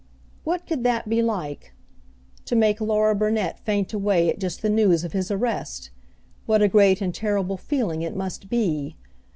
What could that be like? To make Laura Burnet faint away at just the news of his arrest what a great and terrible feeling it must be!